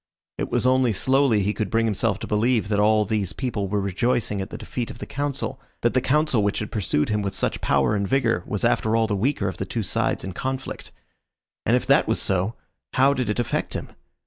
It was only slowly he could bring himself to believe that all these people were rejoicing at the defeat of the Council, that the Council which had pursued him with such power and vigour was after all the weaker of the two sides in conflict. And if that was so, how did it affect him?